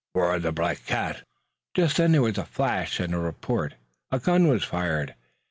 "'Ware the black cat!" Just then there was a flash and a report. A gun was fired.